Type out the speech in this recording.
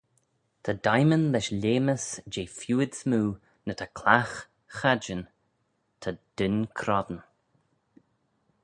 Ta daiman lesh lheamys jeh feeuid smoo na ta clagh chadjin ta dyn cron.